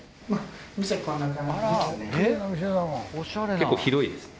結構広いですね。